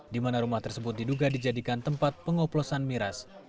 di mana rumah tersebut diduga dijadikan tempat pengoplosan miras